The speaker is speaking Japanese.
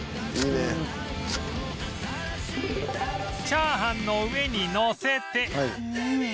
チャーハンの上にのせて